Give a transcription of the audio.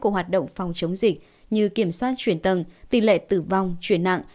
của hoạt động phòng chống dịch như kiểm soát chuyển tầng tỷ lệ tử vong chuyển nặng